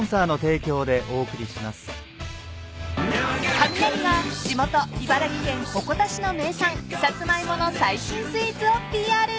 ［カミナリが地元茨城県鉾田市の名産サツマイモの最新スイーツをＰＲ］